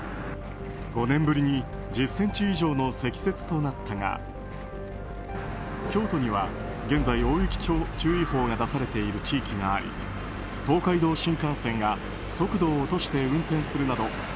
５年ぶりに１０ｃｍ以上の積雪となったが京都には現在、大雪注意報が出されている地域があり東海道新幹線が速度を落として運転するなど